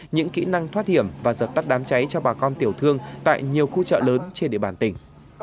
những kỹ năng thoát hiểm và dập tắt đám cháy cho bà con tiểu thương tại nhiều khu chợ lớn trên địa bàn tỉnh